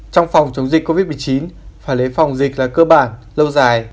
trong phòng chống dịch covid một mươi chín phải lấy phòng dịch là cơ bản lâu dài